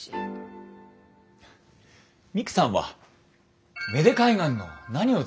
ミクさんは芽出海岸の何を伝えたいと思っていますか？